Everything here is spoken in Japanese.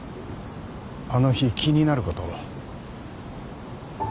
あの日気になることを。